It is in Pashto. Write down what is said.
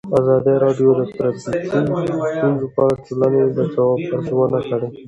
ازادي راډیو د ټرافیکي ستونزې په اړه د ټولنې د ځواب ارزونه کړې.